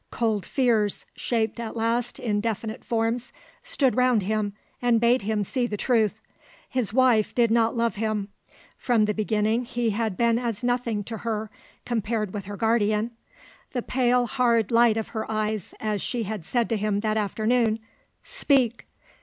Cold fears, shaped at last in definite forms, stood round him and bade him see the truth. His wife did not love him. From the beginning he had been as nothing to her compared with her guardian. The pale, hard light of her eyes as she had said to him that afternoon, "Speak!"